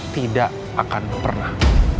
tidak akan pernah